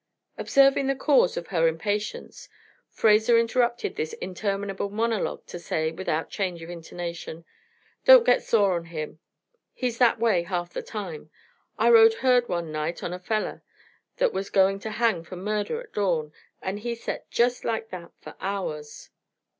Observing the cause of her impatience, Fraser interrupted his interminable monologue to say, without change of intonation: "Don't get sore on him; he's that way half the time. I rode herd one night on a feller that was going to hang for murder at dawn, and he set just like that for hours."